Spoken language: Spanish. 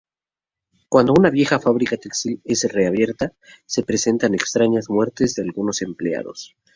Cuando una vieja fábrica textil es reabierta, se presentan extrañas muertes de algunos empleados.